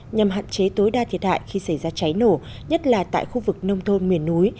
nhằm hạn chế tối đa thiệt hại khi xảy ra cháy nổ nhất là tại khu vực nông thôn miền núi